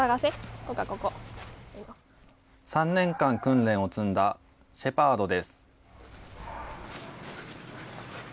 ３年間訓練を積んだシェパードです。